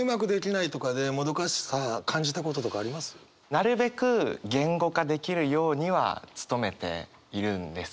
なるべく言語化できるようには努めているんですけど